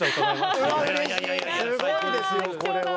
すごいですよこれは。